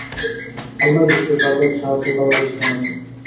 আল্লাহ ব্যতীত তাদের সাহায্য করারও ছিল না কেউ।